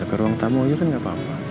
ke ruang tamu aja kan nggak apa apa